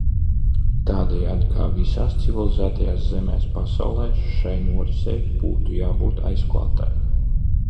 Tādējādi, kā visās civilizētajās zemēs pasaulē, šai norisei būtu jābūt aizklātai.